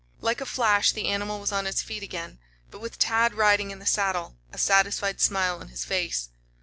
Like a flash the animal was on its feet again, but with Tad riding in the saddle, a satisfied smile on his face.